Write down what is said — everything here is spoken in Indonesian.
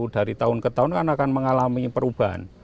dari tahun ke tahun kan akan mengalami perubahan